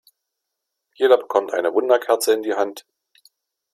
Jeder bekommt eine Wunderkerze in die Hand.